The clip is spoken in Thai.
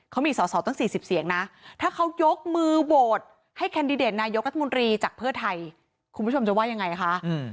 เขามีสอสอตั้ง๔๐เสียงนะถ้าเขายกมือโหวตให้แคนดิเดตนายกรัฐมนตรีจากเพื่อไทยคุณผู้ชมจะว่ายังไงคะ